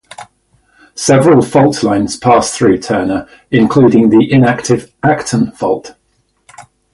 Several fault lines pass through Turner including the inactive Acton Fault.